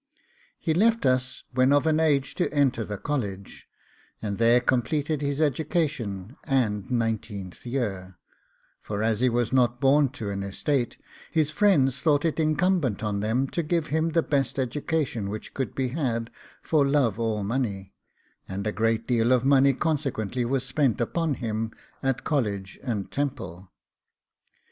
He left us when of an age to enter the college, and there completed his education and nineteenth year, for as he was not born to an estate, his friends thought it incumbent on them to give him the best education which could be had for love or money, and a great deal of money consequently was spent upon him at College and Temple.